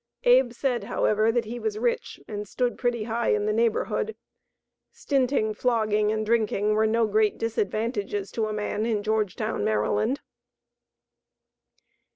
Abe said, however, that he was rich and stood pretty high in the neighborhood stinting, flogging and drinking were no great disadvantages to a man in Georgetown, Maryland.